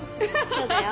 そうだよ。